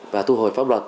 và thu hồi pháp luật